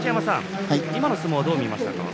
今の相撲、どうでしたか？